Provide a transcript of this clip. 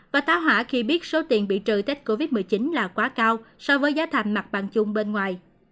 và táo hỏa khi biết số tiền bị trừ tết covid một mươi chín là quá cao so với giá thành mặt bằng chung bên ngoài